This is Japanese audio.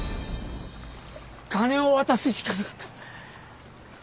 金を渡すしかなかった。